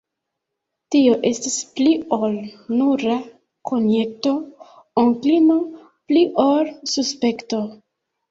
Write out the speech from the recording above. Tio estas pli ol nura konjekto, onklino; pli ol suspekto.